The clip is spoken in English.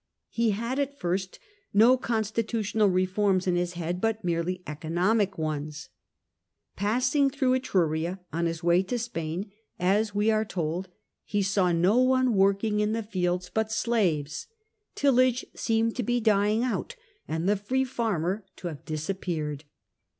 He had at first no consti tutional reforms in his head, but mere]y"economic ones. Passing through Etruria on his way to Spain, as we are told, he saw no one working in the fields but slaves ; tillage seemed to be dying out and the free farmer to have disappeared.